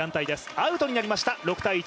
アウトになりました、６ー１。